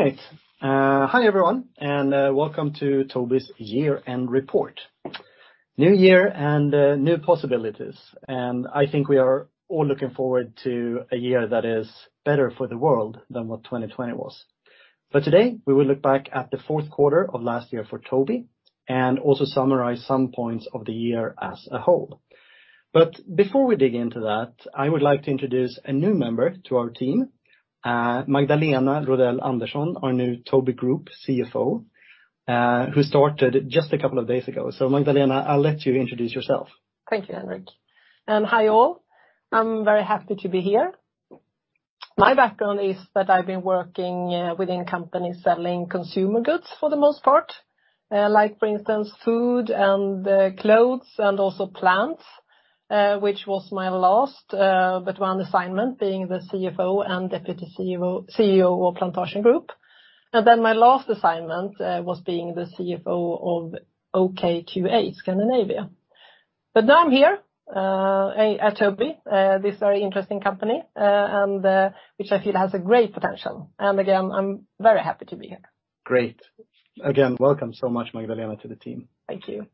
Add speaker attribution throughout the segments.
Speaker 1: All right. Hi everyone, and welcome to Tobii's year-end report. New year and new possibilities, and I think we are all looking forward to a year that is better for the world than what 2020 was. Today, we will look back at the fourth quarter of last year for Tobii and also summarize some points of the year as a whole. Before we dig into that, I would like to introduce a new member to our team, Magdalena Rodell Andersson, our new Tobii Group CFO, who started just a couple of days ago. Magdalena, I'll let you introduce yourself.
Speaker 2: Thank you, Henrik. Hi all. I'm very happy to be here. My background is that I've been working within companies selling consumer goods for the most part. Like for instance, food and clothes and also plants, which was my last but one assignment, being the CFO and Deputy CEO of Plantasjen Group. Then my last assignment was being the CFO of OKQ8 Scandinavia. Now I'm here at Tobii, this very interesting company, which I feel has a great potential. Again, I'm very happy to be here.
Speaker 1: Great. Again, welcome so much, Magdalena, to the team.
Speaker 2: Thank you.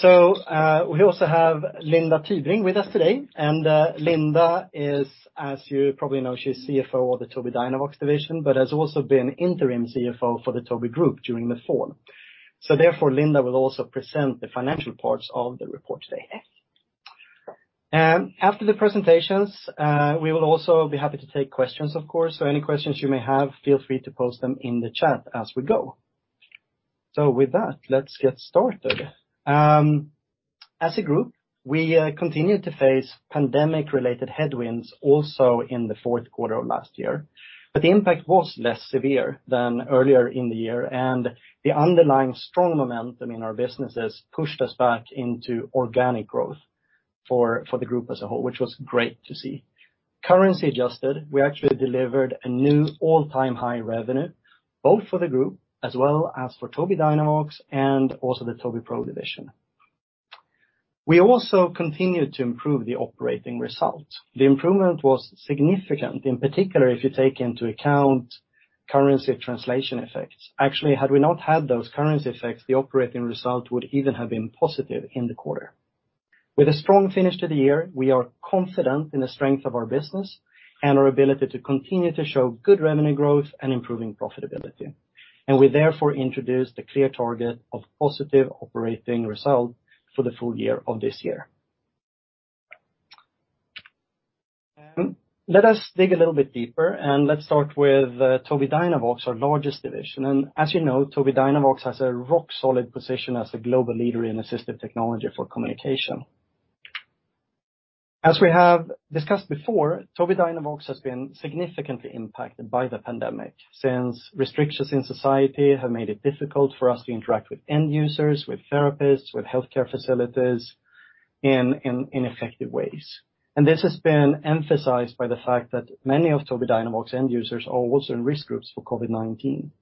Speaker 1: We also have Linda Tybring with us today. And Linda is, as you probably know, she is CFO of the Tobii Dynavox division, but has also been interim CFO for the Tobii Group during the fall. Therefore, Linda will also present the financial parts of the report today. After the presentations, we will also be happy to take questions, of course. Any questions you may have, feel free to post them in the chat as we go. With that, let's get started. As a group, we continued to face pandemic-related headwinds also in the fourth quarter of last year, but the impact was less severe than earlier in the year, and the underlying strong momentum in our businesses pushed us back into organic growth for the group as a whole, which was great to see. Currency adjusted, we actually delivered a new all-time high revenue, both for the group as well as for Tobii Dynavox and also the Tobii Pro division. The improvement was significant, in particular, if you take into account currency translation effects. Actually, had we not had those currency effects, the operating result would even have been positive in the quarter. With a strong finish to the year, we are confident in the strength of our business and our ability to continue to show good revenue growth and improving profitability. We therefore introduced a clear target of positive operating result for the full year of this year. Let us dig a little bit deeper and let's start with Tobii Dynavox, our largest division. As you know, Tobii Dynavox has a rock-solid position as a global leader in assistive technology for communication. As we have discussed before, Tobii Dynavox has been significantly impacted by the pandemic, since restrictions in society have made it difficult for us to interact with end users, with therapists, with healthcare facilities in effective ways. This has been emphasized by the fact that many of Tobii Dynavox end users are also in risk groups for COVID-19.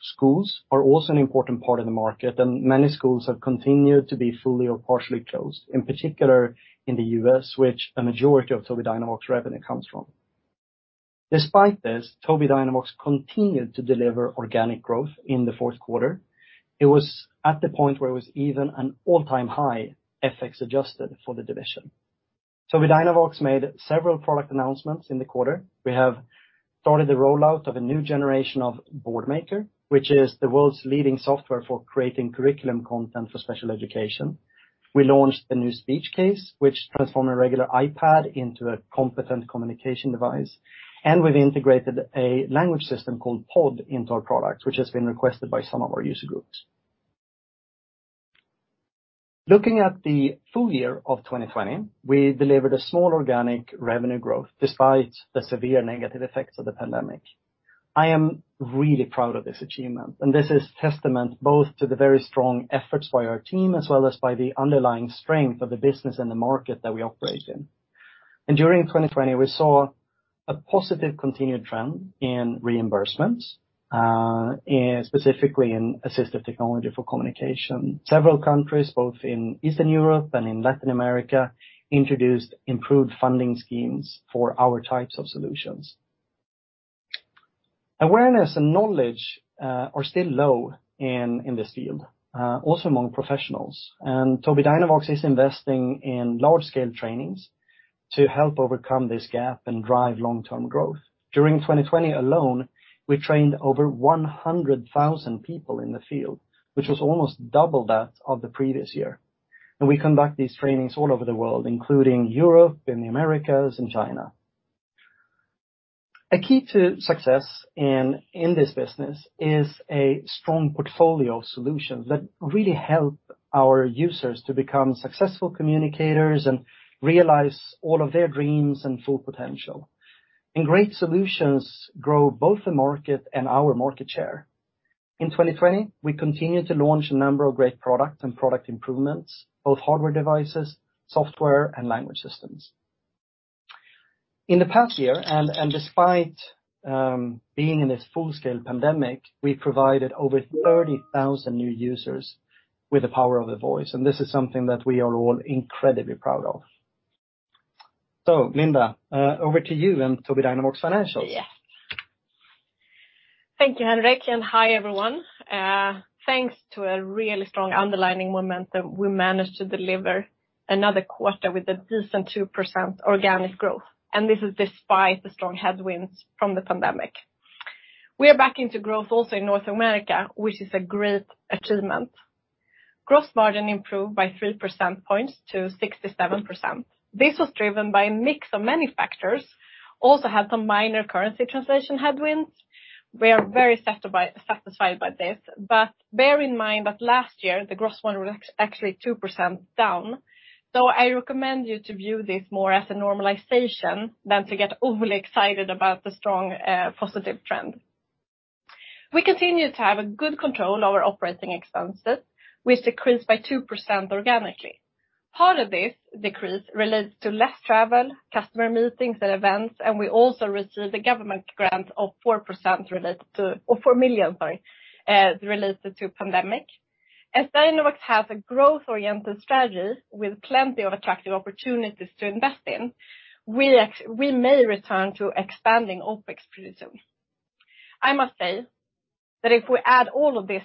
Speaker 1: Schools are also an important part of the market, and many schools have continued to be fully or partially closed, in particular in the U.S., which a majority of Tobii Dynavox revenue comes from. Despite this, Tobii Dynavox continued to deliver organic growth in the fourth quarter. It was at the point where it was even an all-time high FX adjusted for the division. Tobii Dynavox made several product announcements in the quarter. We have started the rollout of a new generation of Boardmaker, which is the world's leading software for creating curriculum content for special education. We launched the new Speech Case, which transformed a regular iPad into a competent communication device, and we've integrated a language system called PODD into our products, which has been requested by some of our user groups. Looking at the full year of 2020, we delivered a small organic revenue growth despite the severe negative effects of the pandemic. I am really proud of this achievement, and this is testament both to the very strong efforts by our team, as well as by the underlying strength of the business and the market that we operate in. During 2020, we saw a positive continued trend in reimbursements, specifically in assistive technology for communication. Several countries, both in Eastern Europe and in Latin America, introduced improved funding schemes for our types of solutions. Awareness and knowledge are still low in this field, also among professionals. Tobii Dynavox is investing in large-scale trainings to help overcome this gap and drive long-term growth. During 2020 alone, we trained over 100,000 people in the field, which was almost double that of the previous year. We conduct these trainings all over the world, including Europe, in the Americas, and China. A key to success in this business is a strong portfolio of solutions that really help our users to become successful communicators and realize all of their dreams and full potential. Great solutions grow both the market and our market share. In 2020, we continued to launch a number of great products and product improvements, both hardware devices, software, and language systems. Despite being in this full-scale pandemic, we provided over 30,000 new users with the power of the voice, and this is something that we are all incredibly proud of. Linda, over to you and Tobii Dynavox financials.
Speaker 3: Yes. Thank you, Henrik, and hi, everyone. Thanks to a really strong underlying momentum, we managed to deliver another quarter with a decent 2% organic growth. This is despite the strong headwinds from the pandemic. We are back into growth also in North America, which is a great achievement. Gross margin improved by 3% points to 67%. This was driven by a mix of many factors, also had some minor currency translation headwinds. We are very satisfied by this, but bear in mind that last year the gross margin was actually 2% down. I recommend you to view this more as a normalization than to get overly excited about the strong positive trend. We continue to have a good control over operating expenses, which decreased by 2% organically. Part of this decrease relates to less travel, customer meetings and events. We also received a government grant of 4 million related to pandemic. As Tobii Dynavox has a growth-oriented strategy with plenty of attractive opportunities to invest in, we may return to expanding OpEx pretty soon. I must say that if we add all of this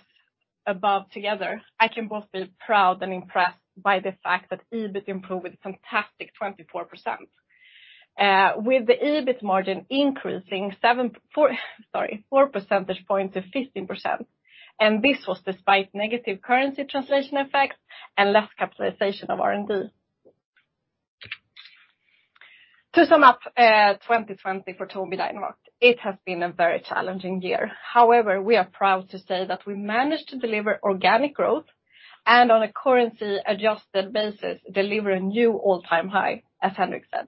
Speaker 3: above together, I can both be proud and impressed by the fact that EBIT improved with a fantastic 24%, with the EBIT margin increasing four percentage points to 15%. This was despite negative currency translation effects and less capitalization of R&D. To sum up 2020 for Tobii Dynavox, it has been a very challenging year. However, we are proud to say that we managed to deliver organic growth, and on a currency-adjusted basis, deliver a new all-time high, as Henrik said.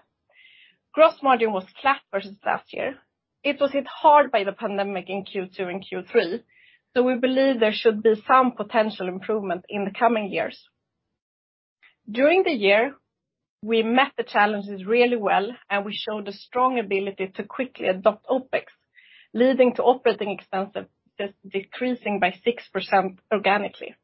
Speaker 3: Gross margin was flat versus last year. It was hit hard by the pandemic in Q2 and Q3. We believe there should be some potential improvement in the coming years. During the year, we met the challenges really well. We showed a strong ability to quickly adopt OpEx, leading to operating expenses decreasing by 6% organically.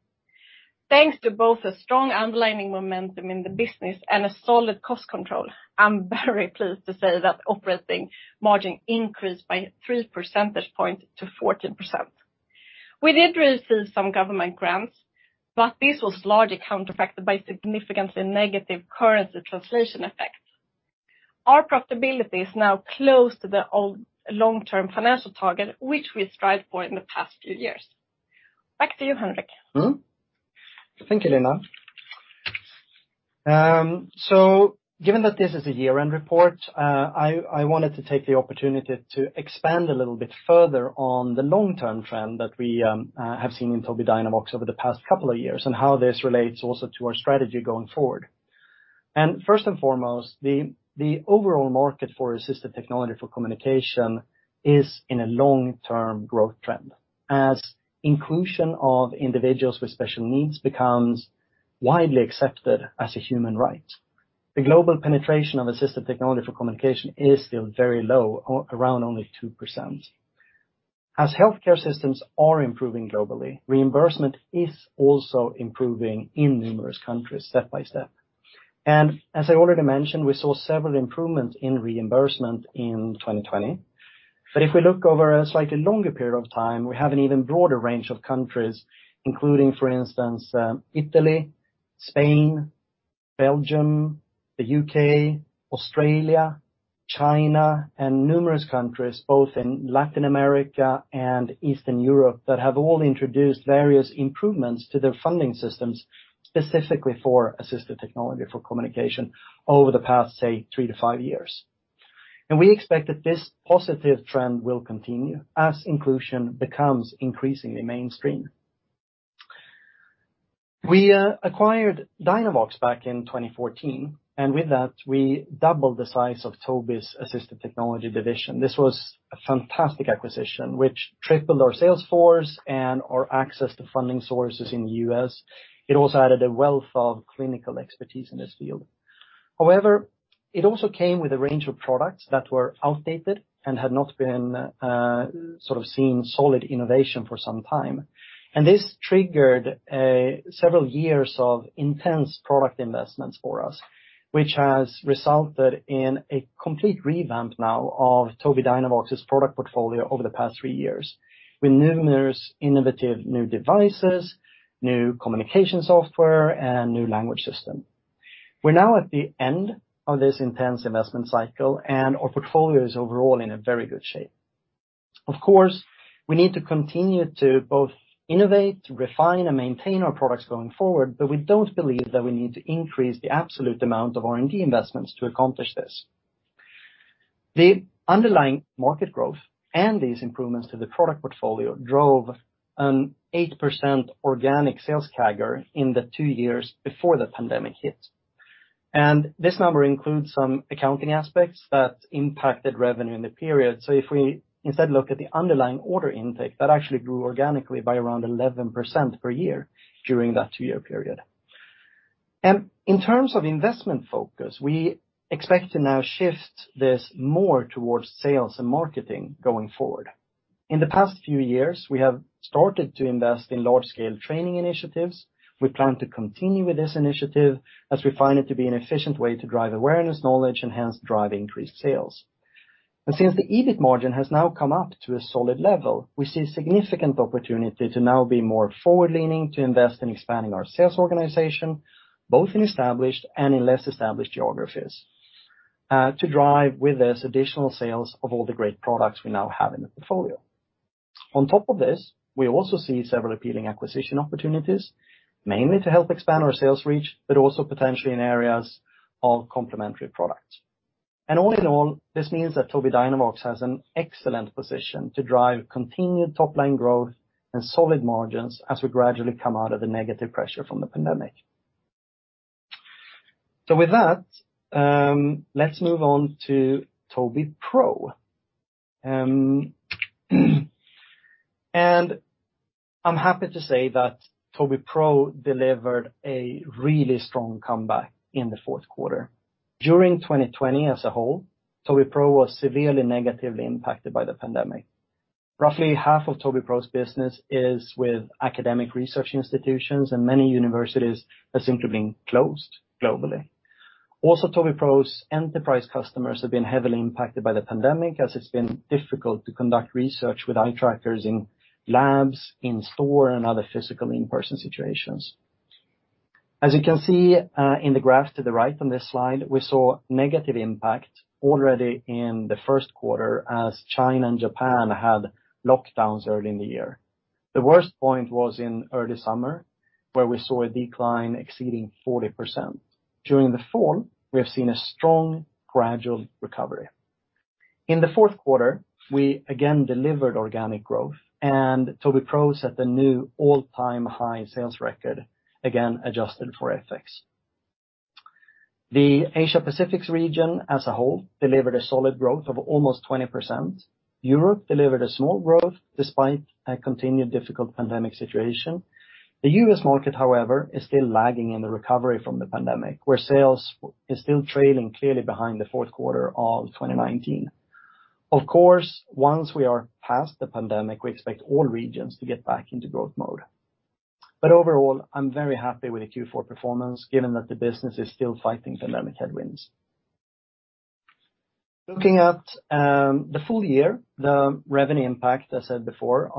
Speaker 3: Thanks to both a strong underlying momentum in the business and a solid cost control, I'm very pleased to say that operating margin increased by three percentage points to 14%. We did receive some government grants. This was largely counteracted by significantly negative currency translation effects. Our profitability is now close to the old long-term financial target, which we strived for in the past few years. Back to you, Henrik.
Speaker 1: Thank you, Linda. Given that this is a year-end report, I wanted to take the opportunity to expand a little bit further on the long-term trend that we have seen in Tobii Dynavox over the past couple of years and how this relates also to our strategy going forward. First and foremost, the overall market for assistive technology for communication is in a long-term growth trend as inclusion of individuals with special needs becomes widely accepted as a human right. The global penetration of assistive technology for communication is still very low, around only 2%. As healthcare systems are improving globally, reimbursement is also improving in numerous countries step by step. As I already mentioned, we saw several improvements in reimbursement in 2020. If we look over a slightly longer period of time, we have an even broader range of countries, including, for instance, Italy, Spain, Belgium, the U.K., Australia, China, and numerous countries, both in Latin America and Eastern Europe, that have all introduced various improvements to their funding systems, specifically for assistive technology for communication over the past, say, three-five years. We expect that this positive trend will continue as inclusion becomes increasingly mainstream. We acquired Dynavox back in 2014, and with that, we doubled the size of Tobii's assistive technology division. This was a fantastic acquisition, which tripled our sales force and our access to funding sources in the U.S. It also added a wealth of clinical expertise in this field. However, it also came with a range of products that were outdated and had not been sort of seen solid innovation for some time. This triggered several years of intense product investments for us, which has resulted in a complete revamp now of Tobii Dynavox's product portfolio over the past three years, with numerous innovative new devices, new communication software, and a new language system. We're now at the end of this intense investment cycle, and our portfolio is overall in a very good shape. Of course, we need to continue to both innovate, refine, and maintain our products going forward, but we don't believe that we need to increase the absolute amount of R&D investments to accomplish this. The underlying market growth and these improvements to the product portfolio drove an 8% organic sales CAGR in the two years before the pandemic hit. This number includes some accounting aspects that impacted revenue in the period. If we instead look at the underlying order intake, that actually grew organically by around 11% per year during that two-year period. In terms of investment focus, we expect to now shift this more towards sales and marketing going forward. In the past few years, we have started to invest in large-scale training initiatives. We plan to continue with this initiative as we find it to be an efficient way to drive awareness, knowledge, and hence drive increased sales. Since the EBIT margin has now come up to a solid level, we see significant opportunity to now be more forward-leaning to invest in expanding our sales organization, both in established and in less established geographies, to drive with this additional sales of all the great products we now have in the portfolio. On top of this, we also see several appealing acquisition opportunities, mainly to help expand our sales reach, but also potentially in areas of complementary products. All in all, this means that Tobii Dynavox has an excellent position to drive continued top-line growth and solid margins as we gradually come out of the negative pressure from the pandemic. With that, let's move on to Tobii Pro. I'm happy to say that Tobii Pro delivered a really strong comeback in the fourth quarter. During 2020 as a whole, Tobii Pro was severely negatively impacted by the pandemic. Roughly half of Tobii Pro's business is with academic research institutions, and many universities have simply been closed globally. Also, Tobii Pro's enterprise customers have been heavily impacted by the pandemic, as it's been difficult to conduct research with eye trackers in labs, in store, and other physical in-person situations. As you can see in the graph to the right on this slide, we saw negative impact already in the first quarter as China and Japan had lockdowns early in the year. The worst point was in early summer, where we saw a decline exceeding 40%. During the fall, we have seen a strong gradual recovery. In the fourth quarter, we again delivered organic growth, and Tobii Pro set a new all-time high sales record, again, adjusted for FX. The Asia-Pacific region as a whole delivered a solid growth of almost 20%. Europe delivered a small growth despite a continued difficult pandemic situation. The U.S. market, however, is still lagging in the recovery from the pandemic, where sales is still trailing clearly behind the fourth quarter of 2019. Of course, once we are past the pandemic, we expect all regions to get back into growth mode. Overall, I'm very happy with the Q4 performance, given that the business is still fighting pandemic headwinds. Looking at the full year, the revenue impact, as said before,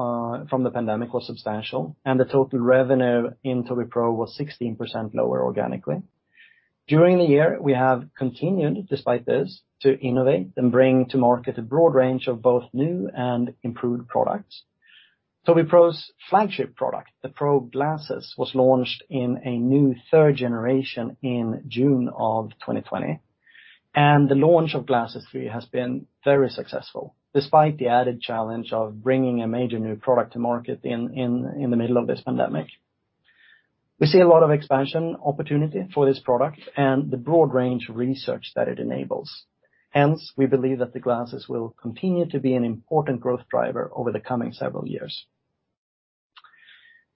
Speaker 1: from the pandemic was substantial, and the total revenue in Tobii Pro was 16% lower organically. During the year, we have continued, despite this, to innovate and bring to market a broad range of both new and improved products. Tobii Pro's flagship product, the Pro Glasses, was launched in a new third generation in June of 2020, and the launch of Glasses 3 has been very successful, despite the added challenge of bringing a major new product to market in the middle of this pandemic. We see a lot of expansion opportunity for this product and the broad range of research that it enables. Hence, we believe that the Glasses will continue to be an important growth driver over the coming several years.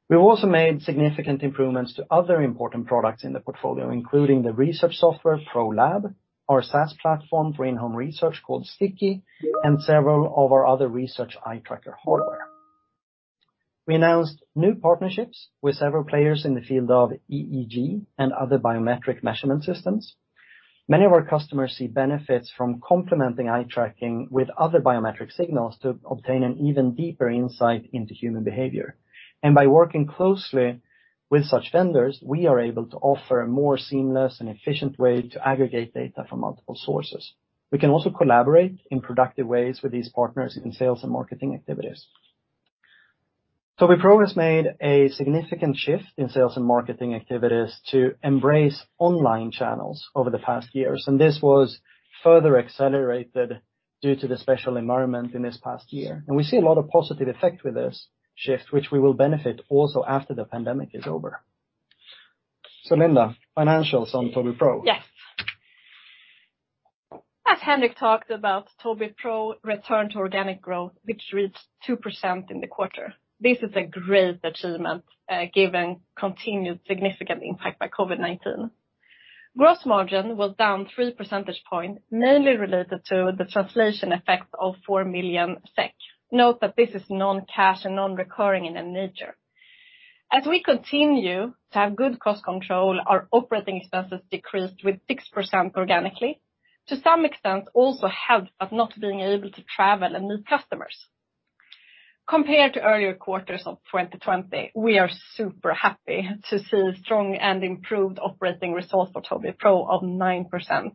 Speaker 1: We've also made significant improvements to other important products in the portfolio, including the research software Pro Lab, our SaaS platform for in-home research called Sticky, and several of our other research eye tracker hardware. We announced new partnerships with several players in the field of EEG and other biometric measurement systems. Many of our customers see benefits from complementing eye tracking with other biometric signals to obtain an even deeper insight into human behavior. By working closely with such vendors, we are able to offer a more seamless and efficient way to aggregate data from multiple sources. We can also collaborate in productive ways with these partners in sales and marketing activities. Tobii Pro has made a significant shift in sales and marketing activities to embrace online channels over the past years, and this was further accelerated due to the special environment in this past year. We see a lot of positive effect with this shift, which we will benefit also after the pandemic is over. Linda, financials on Tobii Pro.
Speaker 3: Yes. As Henrik talked about, Tobii Pro returned to organic growth, which reached 2% in the quarter. This is a great achievement given continued significant impact by COVID-19. Gross margin was down three percentage points, mainly related to the translation effect of 4 million SEK. Note that this is non-cash and non-recurring in nature. As we continue to have good cost control, our operating expenses decreased with 6% organically. To some extent, also helped by not being able to travel and meet customers. Compared to earlier quarters of 2020, we are super happy to see strong and improved operating results for Tobii Pro of 9%.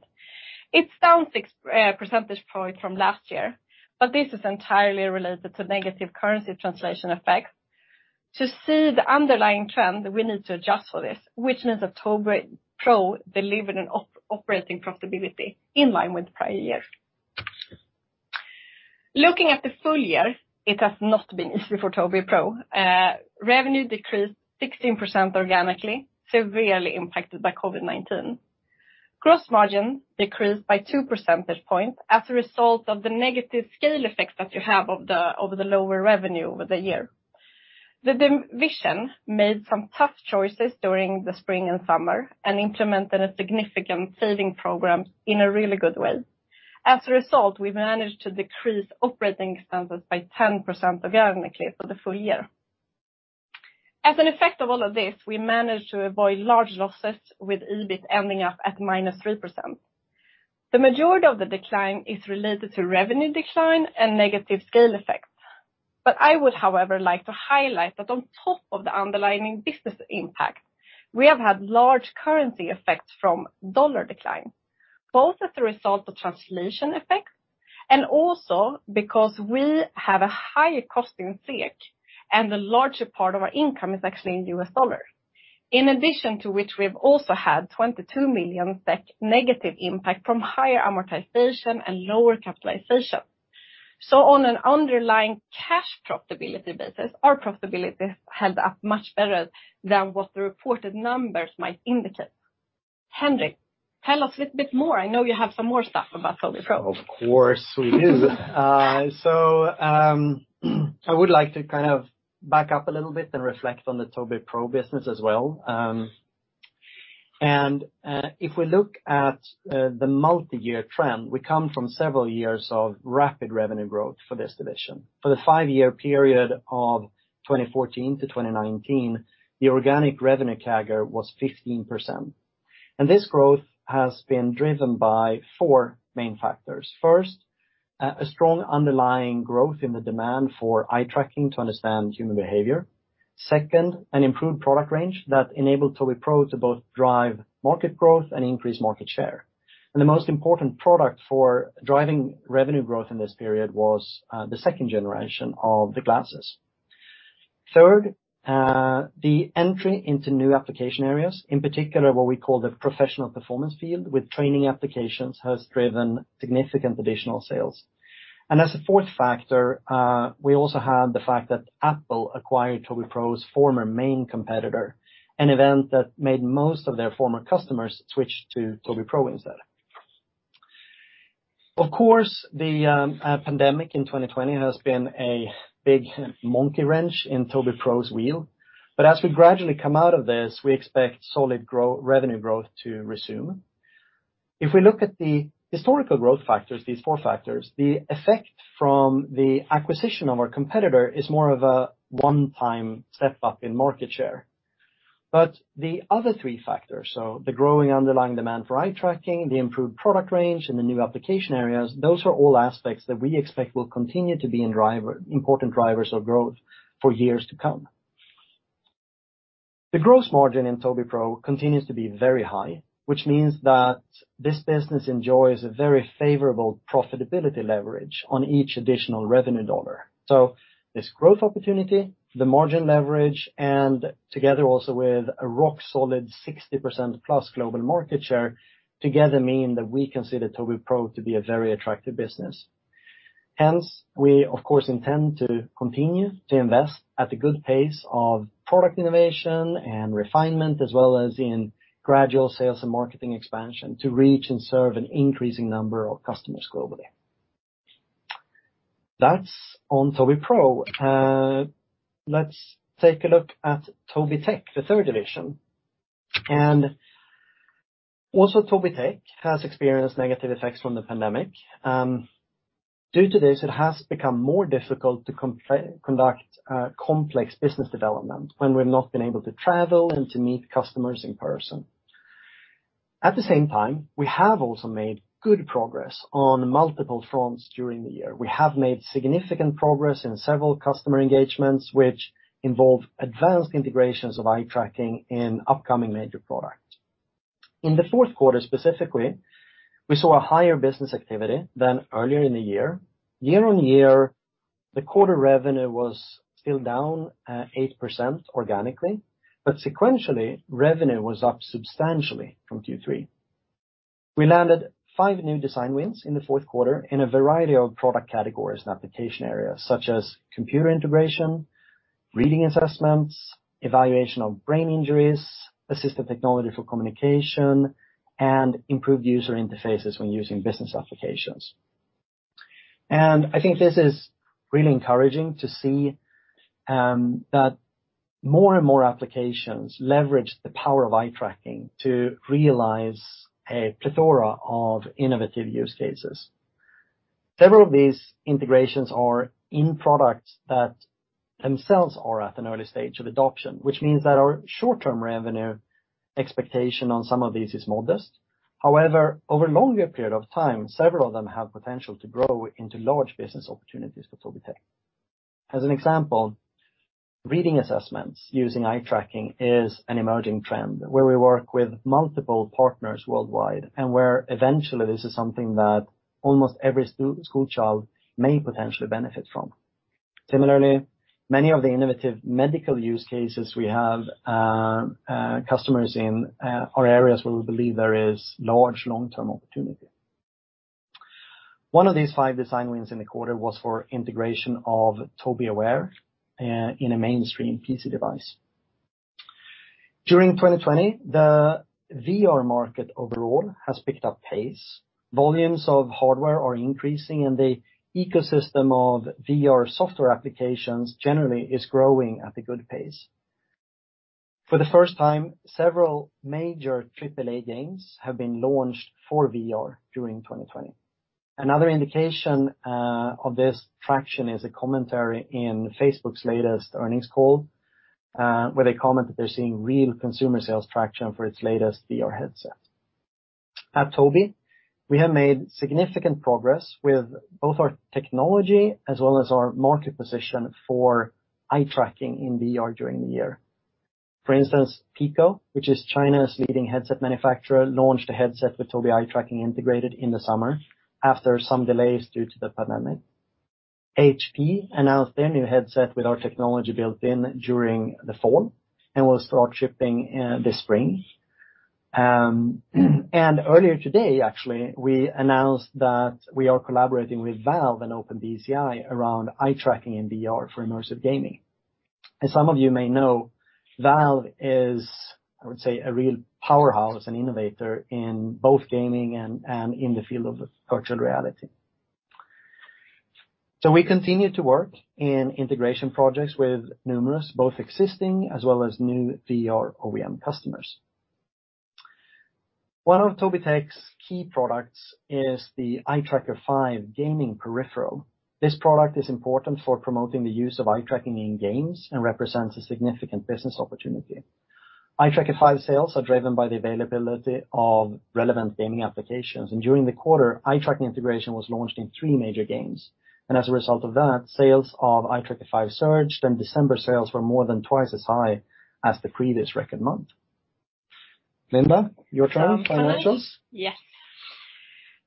Speaker 3: It's down six percentage points from last year, but this is entirely related to negative currency translation effects. To see the underlying trend, we need to adjust for this, which means that Tobii Pro delivered an operating profitability in line with prior years. Looking at the full year, it has not been easy for Tobii Pro. Revenue decreased 16% organically, severely impacted by COVID-19. Gross margin decreased by two percentage points as a result of the negative scale effects that you have over the lower revenue over the year. The division made some tough choices during the spring and summer and implemented a significant saving program in a really good way. As a result, we managed to decrease operating expenses by 10% of the organic level for the full year. As an effect of all of this, we managed to avoid large losses with EBIT ending up at -3%. The majority of the decline is related to revenue decline and negative scale effects. I would, however, like to highlight that on top of the underlying business impact, we have had large currency effects from dollar decline, both as a result of translation effects and also because we have a higher cost in SEK and the larger part of our income is actually in US dollars. In addition to which, we've also had 22 million SEK negative impact from higher amortization and lower capitalization. On an underlying cash profitability basis, our profitability held up much better than what the reported numbers might indicate. Henrik, tell us a little bit more. I know you have some more stuff about Tobii Pro.
Speaker 1: Of course we do. I would like to back up a little bit and reflect on the Tobii Pro business as well. If we look at the multi-year trend, we come from several years of rapid revenue growth for this division. For the five-year period of 2014 to 2019, the organic revenue CAGR was 15%. This growth has been driven by four main factors. First, a strong underlying growth in the demand for eye tracking to understand human behavior. Second, an improved product range that enabled Tobii Pro to both drive market growth and increase market share. The most important product for driving revenue growth in this period was the second generation of the glasses. Third, the entry into new application areas, in particular what we call the professional performance field with training applications, has driven significant additional sales. As a fourth factor, we also had the fact that Apple acquired Tobii Pro's former main competitor, an event that made most of their former customers switch to Tobii Pro instead. Of course, the pandemic in 2020 has been a big monkey wrench in Tobii Pro's wheel, but as we gradually come out of this, we expect solid revenue growth to resume. If we look at the historical growth factors, these four factors, the effect from the acquisition of our competitor is more of a one-time step up in market share. the other three factors, so the growing underlying demand for eye tracking, the improved product range, and the new application areas, those are all aspects that we expect will continue to be important drivers of growth for years to come. The gross margin in Tobii Pro continues to be very high, which means that this business enjoys a very favorable profitability leverage on each additional revenue dollar. This growth opportunity, the margin leverage, and together also with a rock solid 60% plus global market share together mean that we consider Tobii Pro to be a very attractive business. Hence, we of course intend to continue to invest at a good pace of product innovation and refinement, as well as in gradual sales and marketing expansion to reach and serve an increasing number of customers globally. That's on Tobii Pro. Let's take a look at Tobii Tech, the third division. Also Tobii Tech has experienced negative effects from the pandemic. Due to this, it has become more difficult to conduct complex business development when we've not been able to travel and to meet customers in person. At the same time, we have also made good progress on multiple fronts during the year. We have made significant progress in several customer engagements, which involve advanced integrations of eye tracking in upcoming major products. In the fourth quarter, specifically, we saw a higher business activity than earlier in the year. Year-on-year, the quarter revenue was still down at eight% organically, but sequentially, revenue was up substantially from Q3. We landed five new design wins in the fourth quarter in a variety of product categories and application areas, such as computer integration, reading assessments, evaluation of brain injuries, assistive technology for communication, and improved user interfaces when using business applications. I think this is really encouraging to see that more and more applications leverage the power of eye tracking to realize a plethora of innovative use cases. Several of these integrations are in products that themselves are at an early stage of adoption, which means that our short-term revenue expectation on some of these is modest. However, over a longer period of time, several of them have potential to grow into large business opportunities for Tobii Tech. As an example, reading assessments using eye tracking is an emerging trend where we work with multiple partners worldwide and where eventually this is something that almost every schoolchild may potentially benefit from. Similarly, many of the innovative medical use cases we have customers in are areas where we believe there is large long-term opportunity. One of these five design wins in the quarter was for integration of Tobii Aware in a mainstream PC device. During 2020, the VR market overall has picked up pace. Volumes of hardware are increasing, and the ecosystem of VR software applications generally is growing at a good pace. For the first time, several major AAA games have been launched for VR during 2020. Another indication of this traction is a commentary in Facebook's latest earnings call, where they comment that they're seeing real consumer sales traction for its latest VR headsets. At Tobii, we have made significant progress with both our technology as well as our market position for eye tracking in VR during the year. For instance, Pico, which is China's leading headset manufacturer, launched a headset with Tobii eye tracking integrated in the summer, after some delays due to the pandemic. HP announced their new headset with our technology built in during the fall, and will start shipping this spring. Earlier today, actually, we announced that we are collaborating with Valve and OpenBCI around eye tracking and VR for immersive gaming. As some of you may know, Valve is, I would say, a real powerhouse and innovator in both gaming and in the field of virtual reality. we continue to work in integration projects with numerous, both existing as well as new VR OEM customers. One of Tobii Tech's key products is the Eye Tracker 5 gaming peripheral. This product is important for promoting the use of eye tracking in games and represents a significant business opportunity. Eye Tracker 5 sales are driven by the availability of relevant gaming applications, and during the quarter, eye tracking integration was launched in three major games. As a result of that, sales of Eye Tracker 5 surged, and December sales were more than twice as high as the previous record month. Linda, your turn, financials?
Speaker 3: Yes.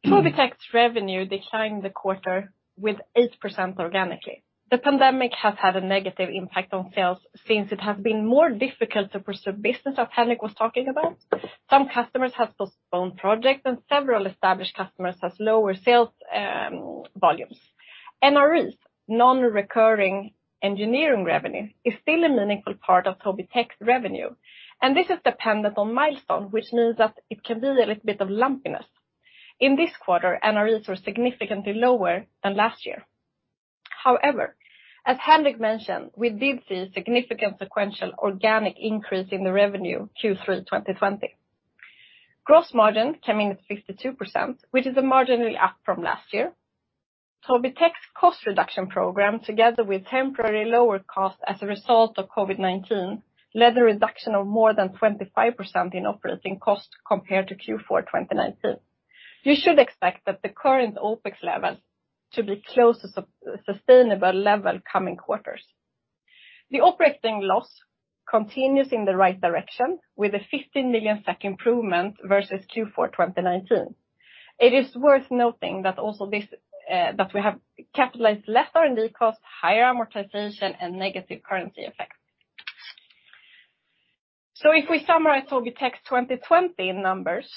Speaker 3: Tobii Tech's revenue declined the quarter with 8% organically. The pandemic has had a negative impact on sales since it has been more difficult to pursue business, as Henrik was talking about. Some customers have postponed projects, and several established customers have lower sales volumes. NREs, non-recurring engineering revenue, is still a meaningful part of Tobii Tech's revenue, and this is dependent on milestones, which means that it can be a little bit of lumpiness. In this quarter, NREs were significantly lower than last year. However, as Henrik mentioned, we did see a significant sequential organic increase in the revenue Q3 2020. Gross margin came in at 52%, which is marginally up from last year. Tobii Tech's cost reduction program, together with temporary lower cost as a result of COVID-19, led a reduction of more than 25% in operating costs compared to Q4 2019. You should expect that the current OpEx level to be close to sustainable level coming quarters. The operating loss continues in the right direction with a 15 million SEK improvement versus Q4 2019. It is worth noting that we have capitalized less R&D costs, higher amortization, and negative currency effects. If we summarize Tobii Tech 2020 numbers,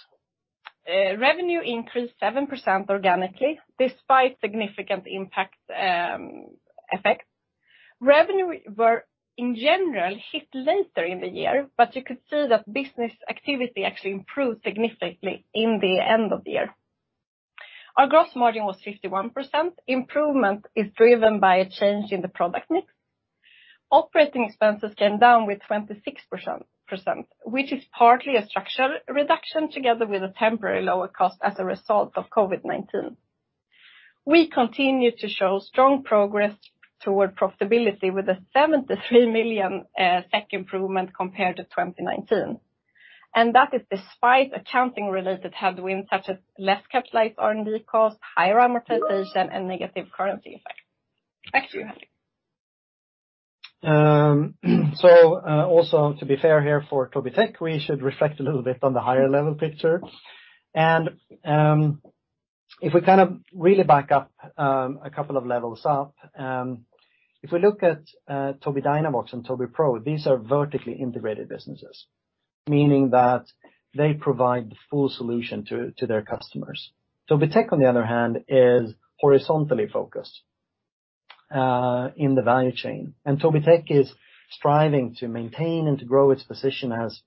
Speaker 3: revenue increased 7% organically despite significant impact effects. Revenue were, in general, hit later in the year, but you could see that business activity actually improved significantly in the end of the year. Our gross margin was 51%. Improvement is driven by a change in the product mix. Operating expenses came down with 26%, which is partly a structural reduction together with a temporary lower cost as a result of COVID-19. We continue to show strong progress toward profitability with a 73 million SEK improvement compared to 2019. That is despite accounting-related headwinds such as less capitalized R&D costs, higher amortization, and negative currency effect. Back to you, Henrik.
Speaker 1: Also to be fair here for Tobii Tech, we should reflect a little bit on the higher-level picture. If we kind of really back up a couple of levels up, if we look at Tobii Dynavox and Tobii Pro, these are vertically integrated businesses, meaning that they provide the full solution to their customers. Tobii Tech, on the other hand, is horizontally focused in the value chain, and Tobii Tech is striving to maintain and to grow its position as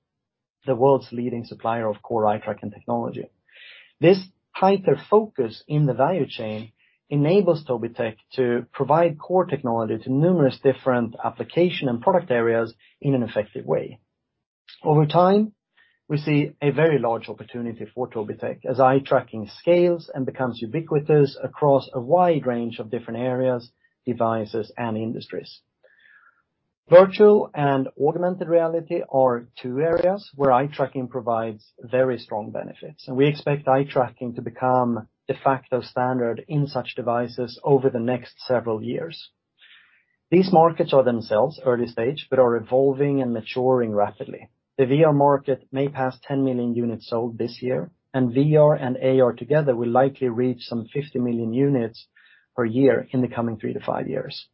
Speaker 1: the world's leading supplier of core eye tracking technology. This tighter focus in the value chain enables Tobii Tech to provide core technology to numerous different application and product areas in an effective way. Over time, we see a very large opportunity for Tobii Tech as eye tracking scales and becomes ubiquitous across a wide range of different areas, devices, and industries. Virtual and augmented reality are two areas where eye tracking provides very strong benefits, and we expect eye tracking to become de facto standard in such devices over the next several years. These markets are themselves early stage, but are evolving and maturing rapidly. The VR market may pass 10 million units sold this year, and VR and AR together will likely reach some 50 million units per year in the coming three to five years.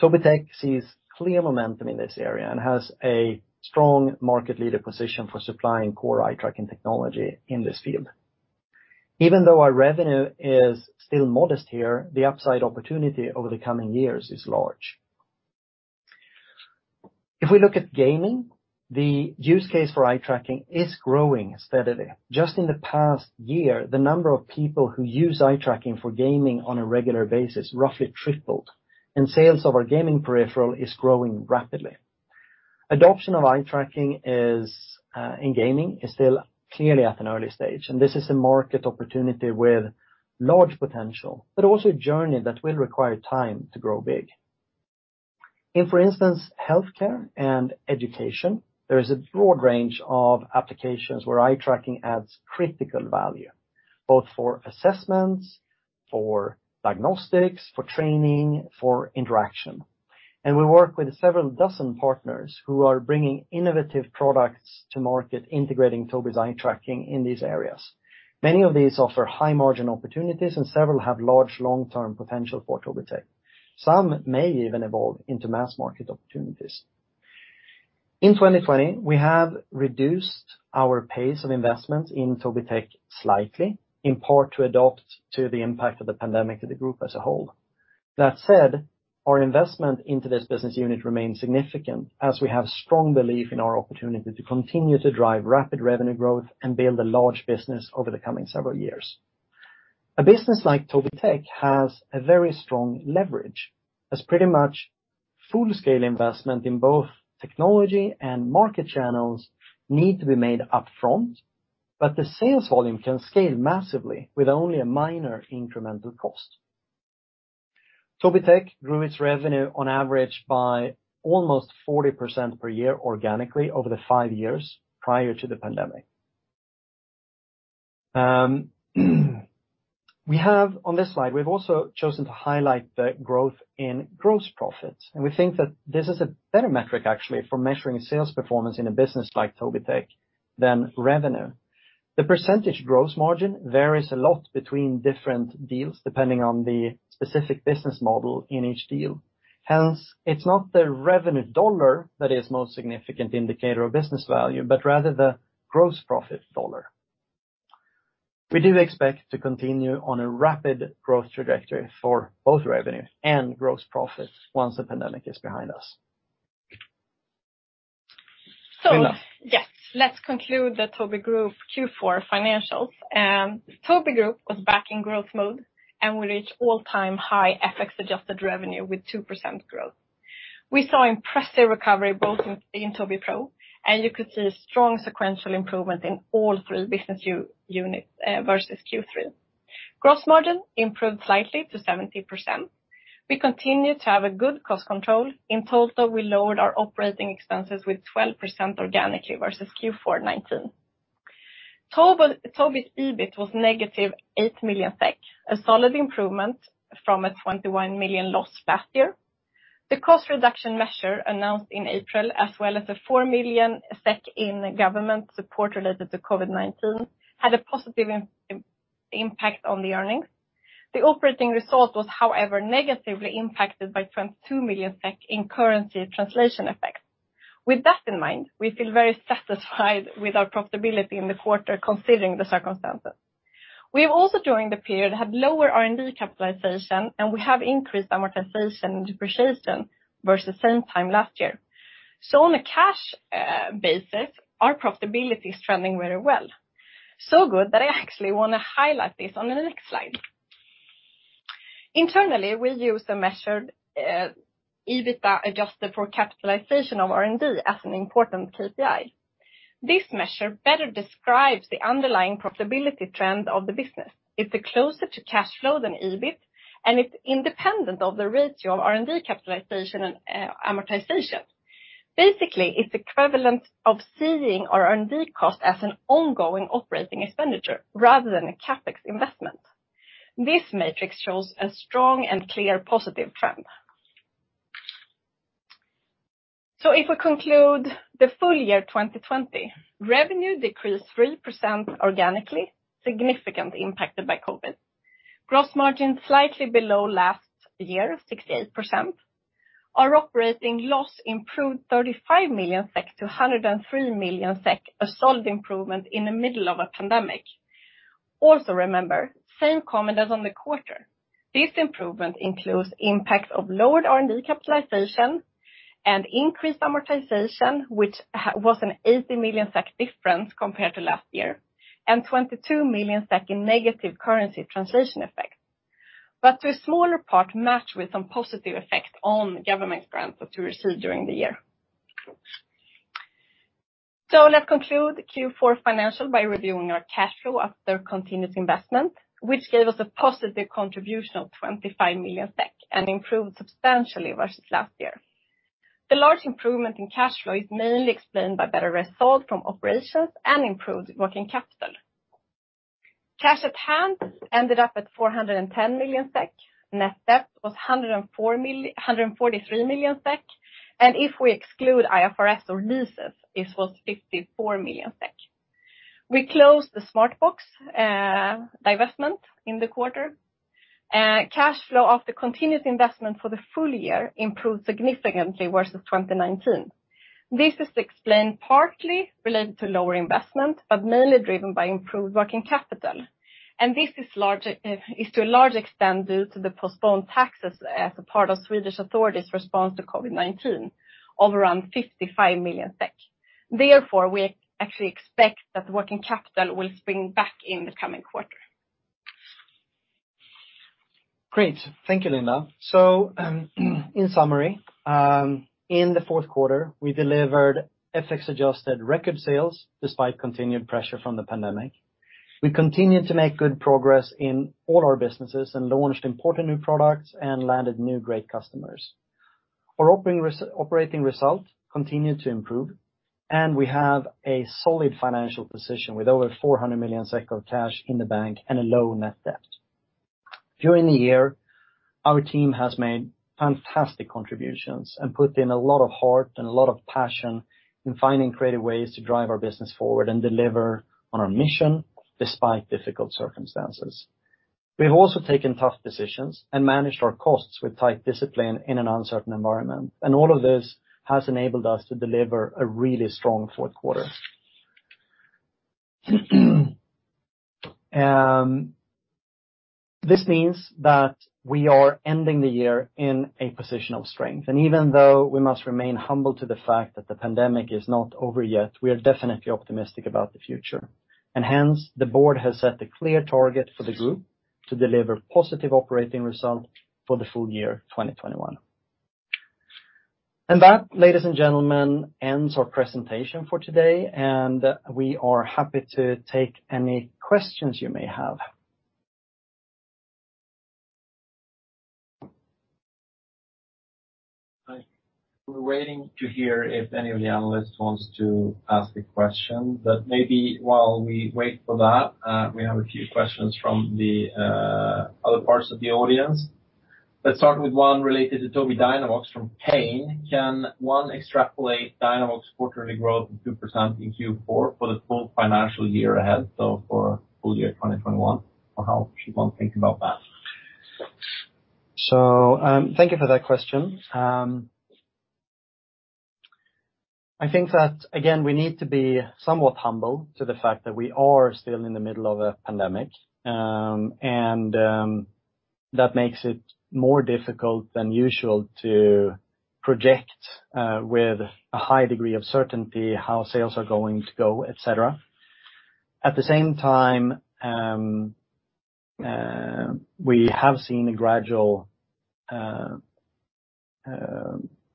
Speaker 1: Tobii Tech sees clear momentum in this area and has a strong market leader position for supplying core eye tracking technology in this field. Even though our revenue is still modest here, the upside opportunity over the coming years is large. If we look at gaming, the use case for eye tracking is growing steadily. Just in the past year, the number of people who use eye tracking for gaming on a regular basis roughly tripled, and sales of our gaming peripheral is growing rapidly. Adoption of eye tracking in gaming is still clearly at an early stage, and this is a market opportunity with large potential, but also a journey that will require time to grow big. In, for instance, healthcare and education, there is a broad range of applications where eye tracking adds critical value, both for assessments, for diagnostics, for training, for interaction. We work with several dozen partners who are bringing innovative products to market integrating Tobii's eye tracking in these areas. Many of these offer high margin opportunities, and several have large long-term potential for Tobii Tech. Some may even evolve into mass market opportunities. In 2020, we have reduced our pace of investment in Tobii Tech slightly, in part to adapt to the impact of the pandemic to the group as a whole. That said, our investment into this business unit remains significant as we have strong belief in our opportunity to continue to drive rapid revenue growth and build a large business over the coming several years. A business like Tobii Tech has a very strong leverage, as pretty much full-scale investment in both technology and market channels need to be made upfront, but the sales volume can scale massively with only a minor incremental cost. Tobii Tech grew its revenue on average by almost 40% per year organically over the five years prior to the pandemic. On this slide, we've also chosen to highlight the growth in gross profits, and we think that this is a better metric, actually, for measuring sales performance in a business like Tobii Tech than revenue. The percentage gross margin varies a lot between different deals depending on the specific business model in each deal. Hence, it's not the revenue dollar that is most significant indicator of business value, but rather the gross profit dollar. We do expect to continue on a rapid growth trajectory for both revenue and gross profit once the pandemic is behind us. Linda.
Speaker 3: Yes. Let's conclude the Tobii Group Q4 financials. Tobii Group was back in growth mode, and we reached all-time high FX-adjusted revenue with 2% growth. We saw impressive recovery both in Tobii Pro and you could see a strong sequential improvement in all three business units versus Q3. Gross margin improved slightly to 70%. We continue to have a good cost control. In total, we lowered our operating expenses with 12% organically versus Q4 '19. Tobii's EBIT was -8 million SEK, a solid improvement from a 21 million loss last year. The cost reduction measure announced in April, as well as the 4 million SEK in government support related to COVID-19, had a positive impact on the earnings. The operating result was, however, negatively impacted by 22 million SEK in currency translation effects. With that in mind, we feel very satisfied with our profitability in the quarter considering the circumstances. We have also, during the period, had lower R&D capitalization, and we have increased amortization and depreciation versus same time last year. on a cash basis, our profitability is trending very well. good that I actually want to highlight this on the next slide. Internally, we use a measured EBITDA adjusted for capitalization of R&D as an important KPI. This measure better describes the underlying profitability trend of the business. It's closer to cash flow than EBIT, and it's independent of the ratio of R&D capitalization and amortization. Basically, it's equivalent of seeing our R&D cost as an ongoing operating expenditure rather than a CapEx investment. This matrix shows a strong and clear positive trend. if we conclude the Full Year 2020, revenue decreased 3% organically, significantly impacted by COVID. Gross margin slightly below last year, 68%. Our operating loss improved 35 million SEK to 103 million SEK, a solid improvement in the middle of a pandemic. Also remember, same comment as on the quarter. This improvement includes impact of lowered R&D capitalization and increased amortization, which was an 18 million SEK difference compared to last year, and 22 million SEK in negative currency translation effects. To a smaller part, matched with some positive effects on government grants that we received during the year. Let's conclude Q4 financial by reviewing our cash flow after continuous investment, which gave us a positive contribution of 25 million SEK and improved substantially versus last year. The large improvement in cash flow is mainly explained by better results from operations and improved working capital. Cash at hand ended up at 410 million SEK. Net debt was 143 million SEK, and if we exclude IFRS or leases, this was 54 million SEK. We closed the Smartbox divestment in the quarter. Cash flow of the continuous investment for the full year improved significantly versus 2019. This is explained partly related to lower investment, but mainly driven by improved working capital. This is to a large extent due to the postponed taxes as a part of Swedish authorities response to COVID-19 of around 55 million SEK. Therefore, we actually expect that the working capital will spring back in the coming quarter.
Speaker 1: Great. Thank you, Linda. In summary, in the fourth quarter we delivered FX adjusted record sales despite continued pressure from the pandemic. We continued to make good progress in all our businesses and launched important new products and landed new great customers. Our operating result continued to improve, and we have a solid financial position with over 400 million of cash in the bank and a low net debt. During the year, our team has made fantastic contributions and put in a lot of heart and a lot of passion in finding creative ways to drive our business forward and deliver on our mission despite difficult circumstances. We've also taken tough decisions and managed our costs with tight discipline in an uncertain environment, and all of this has enabled us to deliver a really strong fourth quarter. This means that we are ending the year in a position of strength. Even though we must remain humble to the fact that the pandemic is not over yet, we are definitely optimistic about the future. Hence, the board has set a clear target for the group to deliver positive operating result for the Full Year 2021. That, ladies and gentlemen, ends our presentation for today, and we are happy to take any questions you may have.
Speaker 4: Hi. We're waiting to hear if any of the analysts wants to ask a question, but maybe while we wait for that, we have a few questions from the other parts of the audience. Let's start with one related to Tobii Dynavox from Kane. Can one extrapolate Dynavox quarterly growth of 2% in Q4 for the full financial year ahead? For Full Year 2021, or how should one think about that?
Speaker 1: Thank you for that question. I think that, again, we need to be somewhat humble to the fact that we are still in the middle of a pandemic. That makes it more difficult than usual to project with a high degree of certainty how sales are going to go, et cetera. At the same time, we have seen a gradual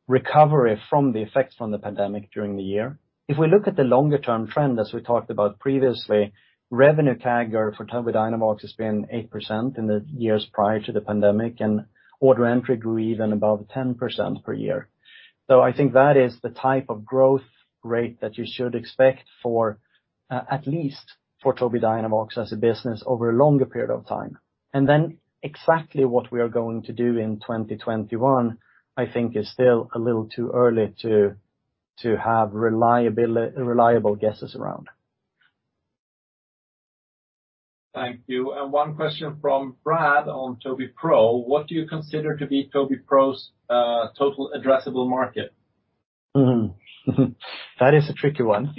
Speaker 1: recovery from the effects from the pandemic during the year. If we look at the longer term trend, as we talked about previously, revenue CAGR for Tobii Dynavox has been 8% in the years prior to the pandemic, and order entry grew even above 10% per year. I think that is the type of growth rate that you should expect for at least for Tobii Dynavox as a business over a longer period of time.. ...exactly what we are going to do in 2021, I think is still a little too early to have reliable guesses around.
Speaker 4: Thank you. One question from Brad on Tobii Pro. What do you consider to be Tobii Pro's total addressable market?
Speaker 1: That is a tricky one.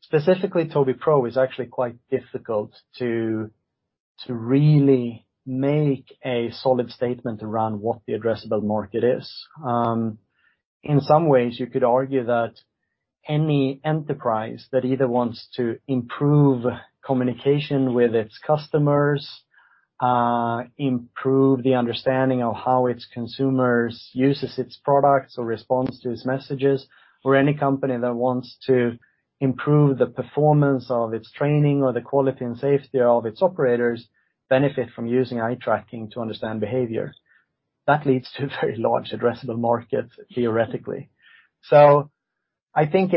Speaker 1: Specifically, Tobii Pro is actually quite difficult to really make a solid statement around what the addressable market is. In some ways, you could argue that any enterprise that either wants to improve communication with its customers, improve the understanding of how its consumers uses its products or responds to its messages, or any company that wants to improve the performance of its training or the quality and safety of its operators benefit from using eye tracking to understand behavior. That leads to a very large addressable market theoretically. I think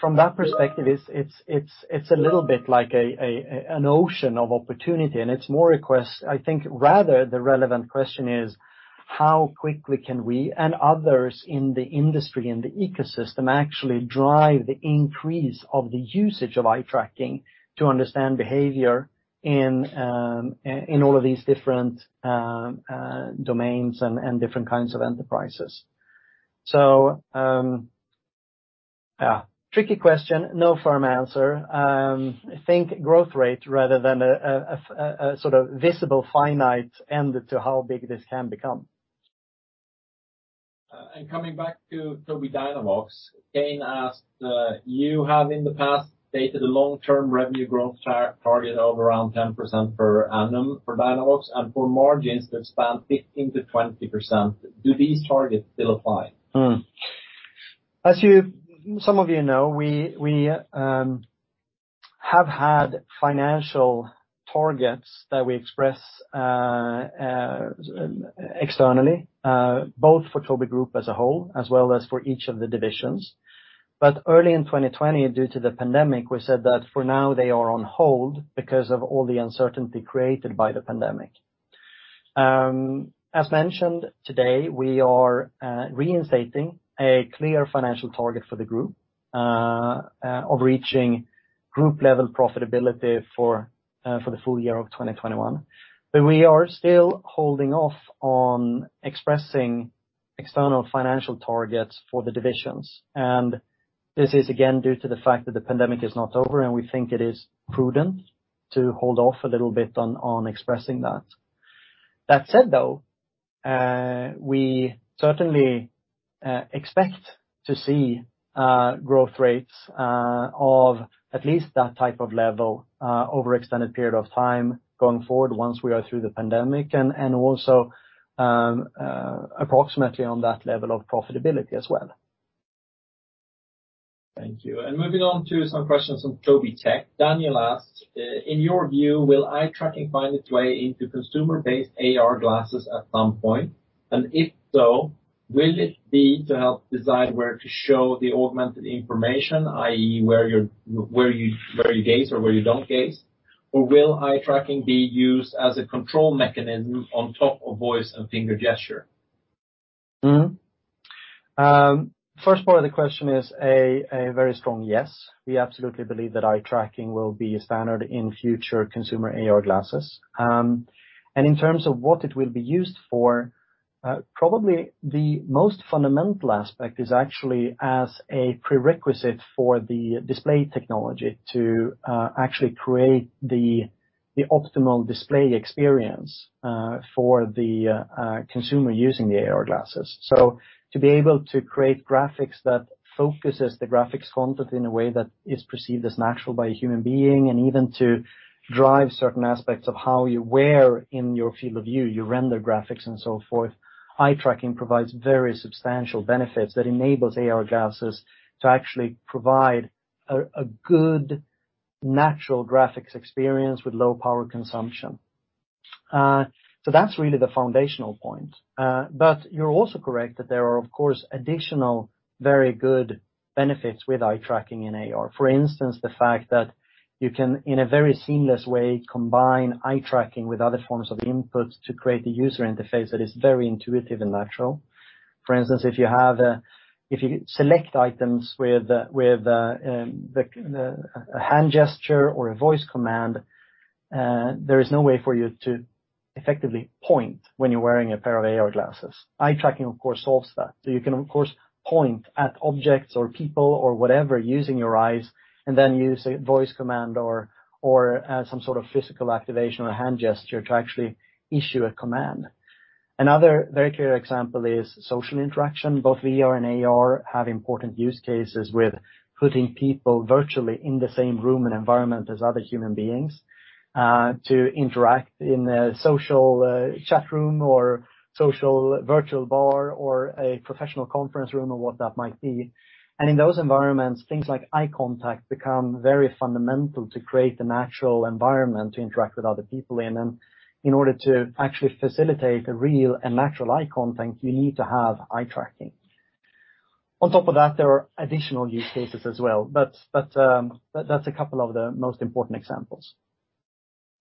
Speaker 1: from that perspective, it's a little bit like an ocean of opportunity, and it's more a quest. I think rather the relevant question is how quickly can we and others in the industry and the ecosystem actually drive the increase of the usage of eye tracking to understand behavior in all of these different domains and different kinds of enterprises. Tricky question. No firm answer. Think growth rate rather than a sort of visible finite end to how big this can become.
Speaker 4: Coming back to Tobii Dynavox, Kane asked, you have in the past stated a long-term revenue growth target of around 10% per annum for Dynavox and for margins that span 15%-20%. Do these targets still apply?
Speaker 1: As some of you know, we have had financial targets that we express externally, both for Tobii Group as a whole as well as for each of the divisions. Early in 2020, due to the pandemic, we said that for now they are on hold because of all the uncertainty created by the pandemic. As mentioned today, we are reinstating a clear financial target for the group of reaching group level profitability for the full year of 2021. We are still holding off on expressing external financial targets for the divisions. This is again, due to the fact that the pandemic is not over, and we think it is prudent to hold off a little bit on expressing that. That said, though, we certainly expect to see growth rates of at least that type of level, over extended period of time going forward once we are through the pandemic and also approximately on that level of profitability as well.
Speaker 4: Thank you. Moving on to some questions on Tobii Tech. Daniel asked, "In your view, will eye tracking find its way into consumer-based AR glasses at some point? And if so, will it be to help decide where to show the augmented information, i.e., where you gaze or where you don't gaze? Or will eye tracking be used as a control mechanism on top of voice and finger gesture?
Speaker 1: First part of the question is a very strong yes. We absolutely believe that eye tracking will be a standard in future consumer AR glasses. In terms of what it will be used for, probably the most fundamental aspect is actually as a prerequisite for the display technology to actually create the optimal display experience, for the consumer using the AR glasses. To be able to create graphics that focuses the graphics content in a way that is perceived as natural by a human being, and even to drive certain aspects of how you wear in your field of view, you render graphics and so forth, eye tracking provides very substantial benefits that enables AR glasses to actually provide a good natural graphics experience with low power consumption. That's really the foundational point. You're also correct that there are, of course, additional very good benefits with eye tracking and AR. For instance, the fact that you can, in a very seamless way, combine eye tracking with other forms of input to create a user interface that is very intuitive and natural. For instance, if you select items with a hand gesture or a voice command, there is no way for you to effectively point when you're wearing a pair of AR glasses. Eye tracking, of course, solves that. You can, of course, point at objects or people or whatever using your eyes, and then use a voice command or some sort of physical activation or hand gesture to actually issue a command. Another very clear example is social interaction. Both VR and AR have important use cases with putting people virtually in the same room and environment as other human beings, to interact in a social chat room or social virtual bar or a professional conference room, or what that might be. In those environments, things like eye contact become very fundamental to create the natural environment to interact with other people in. In order to actually facilitate a real and natural eye contact, you need to have eye tracking. On top of that, there are additional use cases as well, but that's a couple of the most important examples.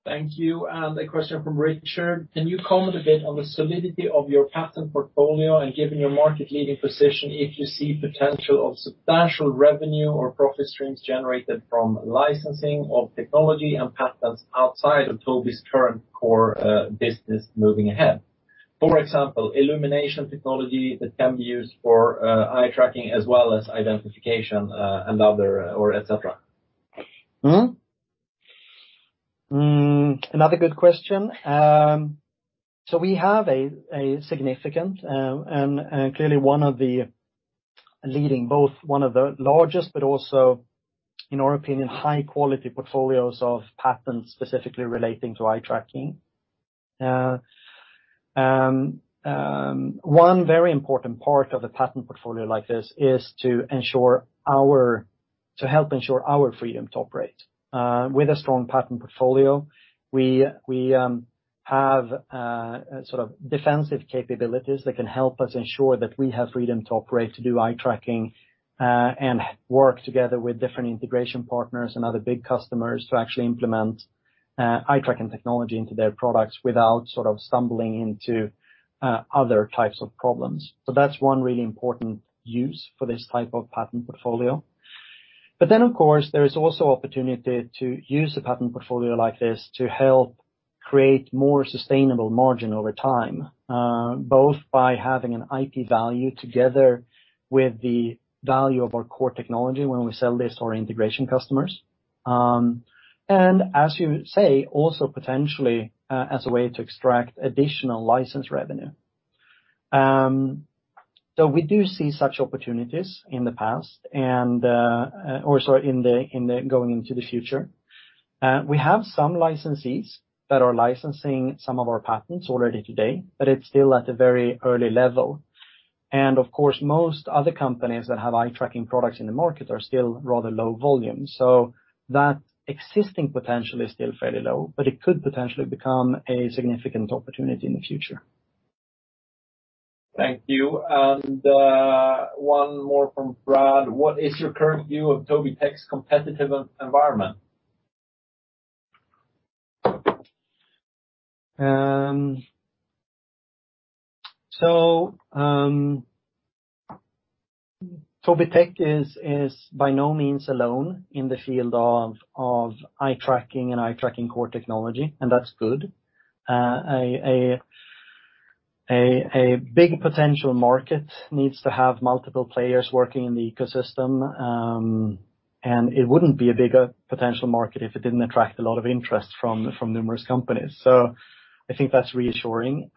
Speaker 4: Thank you. A question from Richard, "Can you comment a bit on the solidity of your patent portfolio and given your market leading position, if you see potential of substantial revenue or profit streams generated from licensing of technology and patents outside of Tobii's current core business moving ahead? For example, illumination technology that can be used for eye tracking as well as identification, and other or et cetera.
Speaker 1: Another good question. We have a significant, and clearly one of the leading, both one of the largest, but also, in our opinion, high quality portfolios of patents specifically relating to eye tracking. One very important part of a patent portfolio like this is to help ensure our freedom to operate. With a strong patent portfolio, we have defensive capabilities that can help us ensure that we have freedom to operate, to do eye tracking, and work together with different integration partners and other big customers to actually implement eye tracking technology into their products without stumbling into other types of problems. That's one really important use for this type of patent portfolio. Of course, there is also opportunity to use a patent portfolio like this to help create more sustainable margin over time, both by having an IP value together with the value of our core technology when we sell this to our integration customers. As you say, also potentially, as a way to extract additional license revenue. We do see such opportunities going into the future. We have some licensees that are licensing some of our patents already today, but it's still at a very early level. Of course, most other companies that have eye tracking products in the market are still rather low volume. That existing potential is still fairly low, but it could potentially become a significant opportunity in the future
Speaker 4: Thank you. one more from Brad, "What is your current view of Tobii Tech's competitive environment?"
Speaker 1: Tobii Tech is by no means alone in the field of eye tracking and eye tracking core technology, and that's good. A big potential market needs to have multiple players working in the ecosystem, and it wouldn't be a bigger potential market if it didn't attract a lot of interest from numerous companies. I think that's reassuring.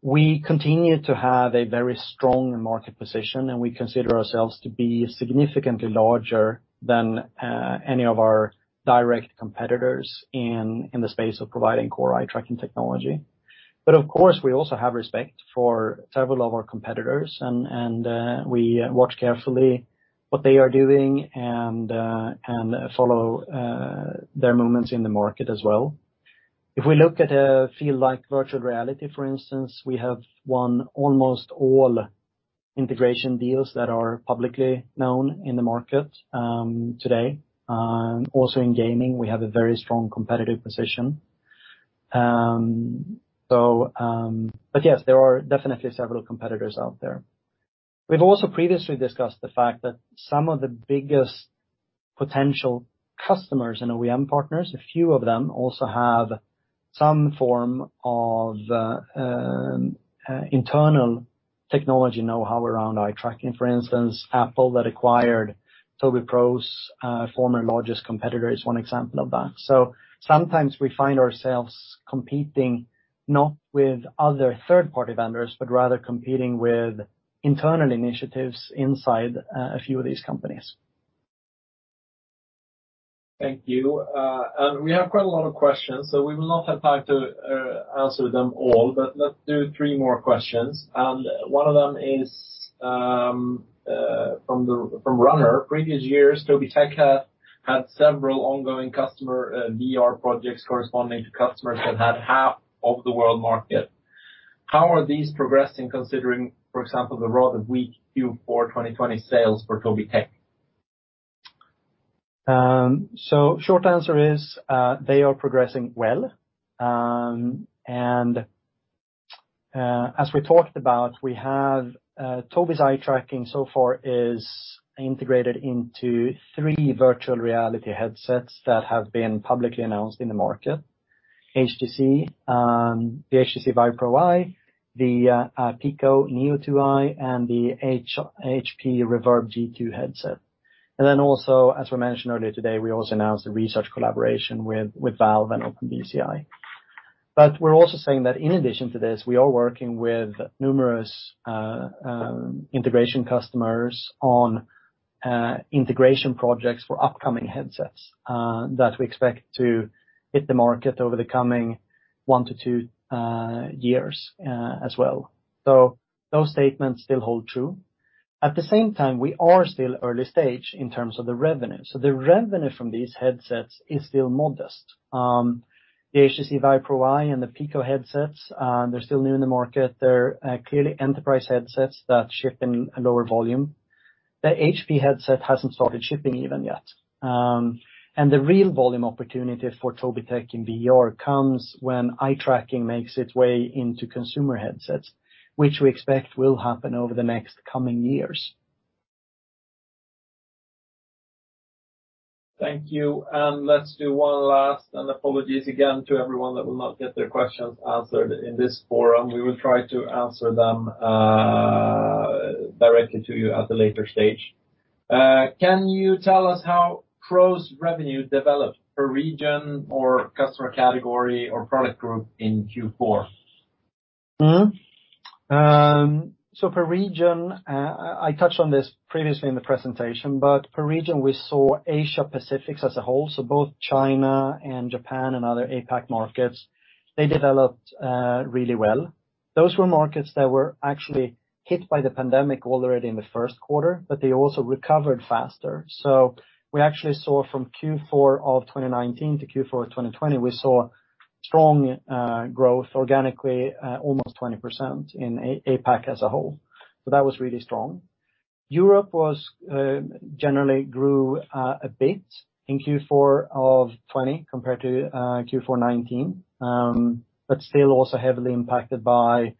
Speaker 1: We continue to have a very strong market position, and we consider ourselves to be significantly larger than any of our direct competitors in the space of providing core eye-tracking technology. Of course, we also have respect for several of our competitors, and we watch carefully what they are doing and follow their movements in the market as well. If we look at a field like virtual reality, for instance, we have won almost all integration deals that are publicly known in the market today. Also in gaming, we have a very strong competitive position. Yes, there are definitely several competitors out there. We've also previously discussed the fact that some of the biggest potential customers and OEM partners, a few of them also have some form of internal technology know-how around eye tracking. For instance, Apple that acquired Tobii Pro's former largest competitor is one example of that. Sometimes we find ourselves competing not with other third-party vendors, but rather competing with internal initiatives inside a few of these companies.
Speaker 4: Thank you. We have quite a lot of questions, so we will not have time to answer them all. Let's do three more questions. One of them is from Runar. "Previous years, Tobii Tech had several ongoing customer VR projects corresponding to customers that had half of the world market. How are these progressing considering, for example, the rather weak Q4 2020 sales for Tobii Tech?
Speaker 1: Short answer is, they are progressing well. as we talked about, Tobii's eye tracking so far is integrated into three virtual reality headsets that have been publicly announced in the market. The HTC VIVE Pro Eye, the Pico Neo 2 Eye, and the HP Reverb G2 headset. Then also, as we mentioned earlier today, we also announced a research collaboration with Valve and OpenBCI. We're also saying that in addition to this, we are working with numerous integration customers on integration projects for upcoming headsets, that we expect to hit the market over the coming one to two years as well. Those statements still hold true. At the same time, we are still early stage in terms of the revenue. The revenue from these headsets is still modest. The HTC VIVE Pro Eye and the Pico headsets, they're still new in the market. They're clearly enterprise headsets that ship in a lower volume. The HP headset hasn't started shipping even yet. The real volume opportunity for Tobii Tech in VR comes when eye tracking makes its way into consumer headsets, which we expect will happen over the next coming years.
Speaker 4: Thank you. Let's do one last, and apologies again to everyone that will not get their questions answered in this forum. We will try to answer them directly to you at a later stage. "Can you tell us how Pro's revenue developed per region or customer category or product group in Q4?
Speaker 1: Per region, I touched on this previously in the presentation, but per region, we saw Asia-Pacific as a whole. Both China and Japan and other APAC markets, they developed really well. Those were markets that were actually hit by the pandemic already in the first quarter, but they also recovered faster. We actually saw from Q4 of 2019 to Q4 2020, we saw strong growth organically, almost 20% in APAC as a whole. That was really strong. Europe generally grew a bit in Q4 of 2020 compared to Q4 2019, but still also heavily impacted by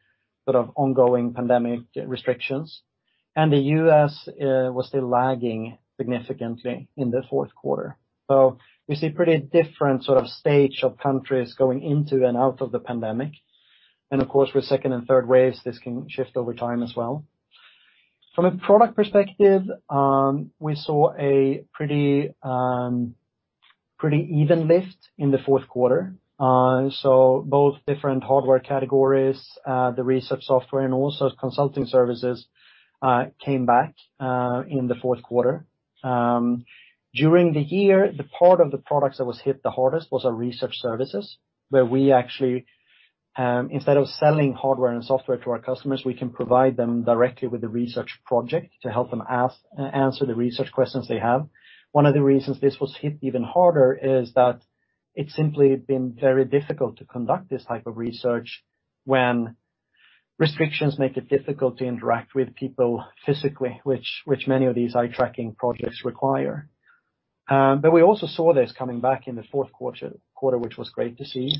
Speaker 1: sort of ongoing pandemic restrictions. The US was still lagging significantly in the fourth quarter. We see pretty different sort of stage of countries going into and out of the pandemic. Of course, with second and third waves, this can shift over time as well. From a product perspective, we saw a pretty even lift in the fourth quarter. Both different hardware categories, the research software, and also consulting services, came back in the fourth quarter. During the year, the part of the products that was hit the hardest was our research services, where we actually instead of selling hardware and software to our customers, we can provide them directly with the research project to help them answer the research questions they have. One of the reasons this was hit even harder is that it's simply been very difficult to conduct this type of research when restrictions make it difficult to interact with people physically, which many of these eye-tracking projects require. we also saw this coming back in the fourth quarter, which was great to see.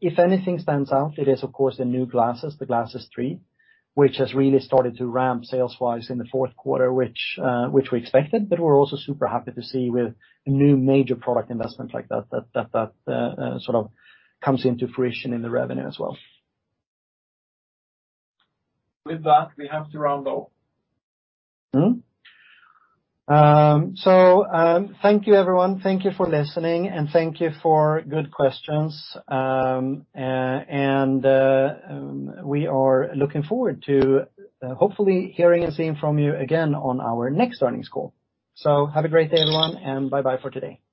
Speaker 1: If anything stands out, it is of course the new glasses, the Glasses 3, which has really started to ramp sales-wise in the fourth quarter, which we expected. We're also super happy to see with new major product investments like that sort of comes into fruition in the revenue as well.
Speaker 4: With that, we have to round off.
Speaker 1: Thank you everyone. Thank you for listening, and thank you for good questions. We are looking forward to hopefully hearing and seeing from you again on our next earnings call. Have a great day, everyone, and bye-bye for today.
Speaker 3: Bye